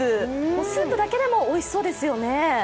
スープだけでもおいしそうですよね。